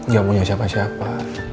gak punya siapa siapa